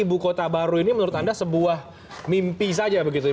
ibu kota baru ini menurut anda sebuah mimpi saja begitu ya